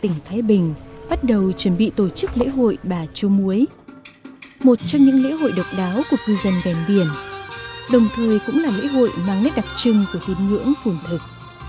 lễ hội bà châu muối một trong những lễ hội độc đáo của cư dân ven biển đồng thời cũng là lễ hội mang nét đặc trưng của thiên ngưỡng phùng thực